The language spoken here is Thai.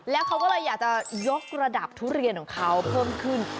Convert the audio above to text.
แล้วเขาก็เลยอยากจะยกระดับทุเรียนของเขาเพิ่มขึ้น